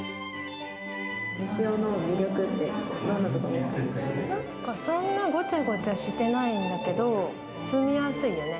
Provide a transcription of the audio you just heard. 西尾の魅力ってどんな所だとそんなごちゃごちゃしてないんだけど、住みやすいよね。